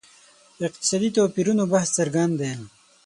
اقتصادي توپیرونو بحث څرګند دی.